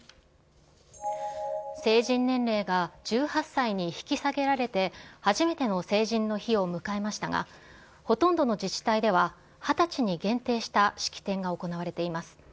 成人年齢が１８歳に引き下げられて初めての成人の日を迎えましたが、ほとんどの自治体では２０歳に限定した式典が行われています。